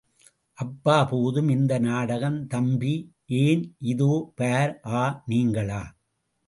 அப்பா, போதும் இந்த நாடகம்! தம்பி! ஏன்! இதோ பார்! ஆ! நீங்களா?